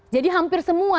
jadi hampir semua